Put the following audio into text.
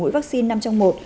đủ mũi vaccine năm trong một